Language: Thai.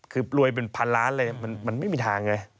คือรวยเป็นพันล้านเลยมันไม่มีทางไง